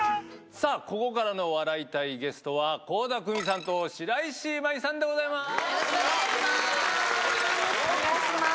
さあ、ここからの笑いたいゲストは、倖田來未さんと白石麻衣さんでごよろしくお願いします。